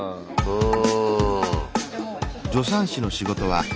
うん。